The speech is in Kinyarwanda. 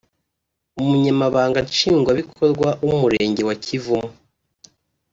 Umunyamabanga nshingwabikorwa w’Umurenge wa Kivumu